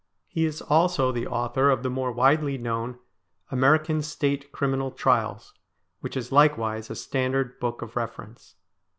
He is also the author of the more widely known ' American State Criminal Trials,' which is likewise a standard book of reference.